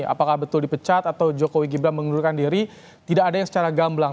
apakah betul dipecat atau jokowi gibran mengundurkan diri tidak ada yang secara gamblang